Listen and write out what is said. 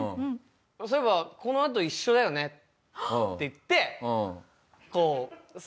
「そういえばこのあと一緒だよね」って言って。